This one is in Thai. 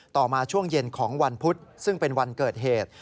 ต่อมาช่วงเย็นของวันพุธซึ่งเป็นวันเกิดเหตุ